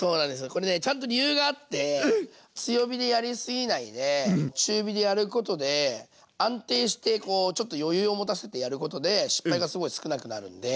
これねちゃんと理由があって強火でやりすぎないで中火でやることで安定してこうちょっと余裕を持たせてやることで失敗がすごい少なくなるんで。